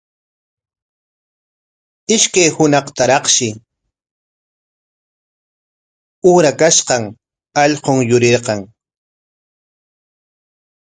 Ishkay hunaqtaraqshi uqrakashqan allqun yurirqan.